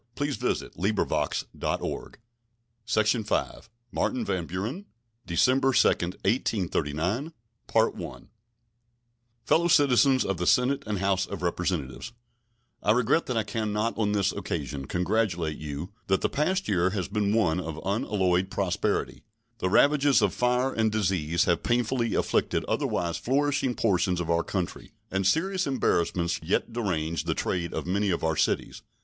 M. VAN BUREN State of the Union Address Martin van Buren December 2, 1839 Fellow Citizens of the Senate and House of Representatives: I regret that I can not on this occasion congratulate you that the past year has been one of unalloyed prosperity. The ravages of fire and disease have painfully afflicted otherwise flourishing portions of our country, and serious embarrassments yet derange the trade of many of our cities.